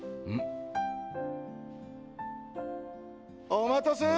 お待たせ！